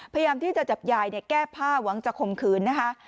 พยายามที่จะจับยายแก้ผ้าหวังจะข่มขืนนะคะ